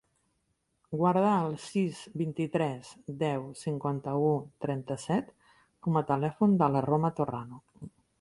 Guarda el sis, vint-i-tres, deu, cinquanta-u, trenta-set com a telèfon de la Roma Torrano.